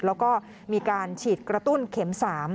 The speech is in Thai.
แล้วก็มีการฉีดกระตุ้นเข็ม๓